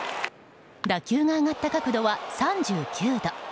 打球が上がった角度は３９度。